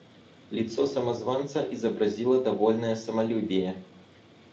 Лицо самозванца изобразило довольное самолюбие.